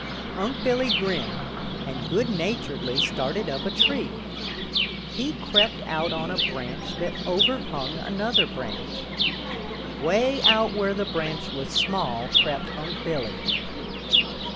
Unc' Billy grinned, and good naturedly started up a tree. He crept out on a branch that overhung another branch. Way out where the branch was small crept Unc' Billy.